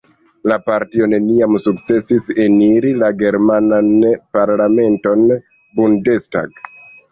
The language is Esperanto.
La partio neniam sukcesis eniri la germanan parlamenton Bundestag.